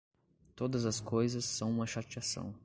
Todas as coisas são uma chateação.